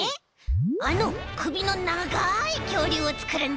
あのくびのながいきょうりゅうをつくるんだ！